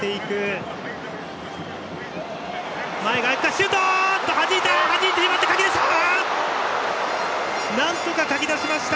シュート、はじいた！